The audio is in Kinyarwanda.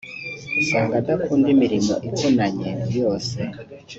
usanga adakunda imirimo ivunanye yose